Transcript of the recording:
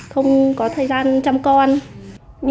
không có thời gian chăm con